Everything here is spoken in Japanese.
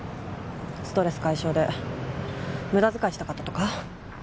ストレス解消で無駄遣いしたかったとか？